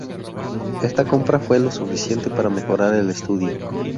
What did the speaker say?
Esta compra fue lo suficiente para mejorar el estudio.